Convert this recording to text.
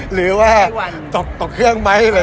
หรือว่าตกเครื่องไม้อะไรอย่างงี้